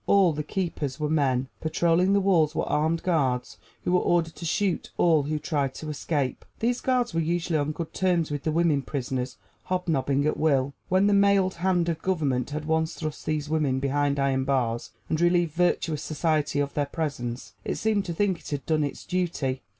All the keepers were men. Patroling the walls were armed guards, who were ordered to shoot all who tried to escape. These guards were usually on good terms with the women prisoners hobnobbing at will. When the mailed hand of government had once thrust these women behind iron bars, and relieved virtuous society of their presence, it seemed to think it had done its duty.